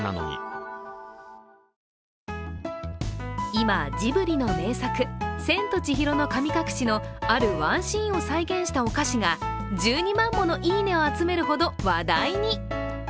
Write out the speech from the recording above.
今、ジブリの名作「千と千尋の神隠し」のあるワンシーンを再現したお菓子が１２万ものいいねを集めるほど話題に。